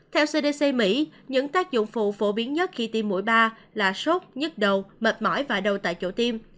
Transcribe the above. theo cdc mỹ những tác dụng phụ phổ biến nhất khi tiêm mũi ba là sốt nhức đầu mệt mỏi và đầu tại chỗ tiêm